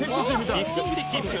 リフティングでキープ。